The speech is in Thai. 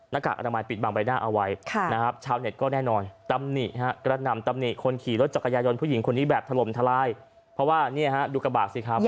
นักกากอรัฐมายส์ปิดบางใบหน้าเอาไว้ค่ะ